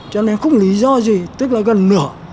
cho nên không lý do gì tức là gần nửa